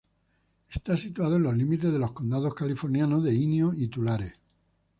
Está situado en los límites de los condados californianos de Inyo y Tulare.